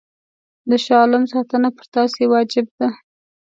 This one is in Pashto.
د شاه عالم ساتنه پر تاسي واجب ده.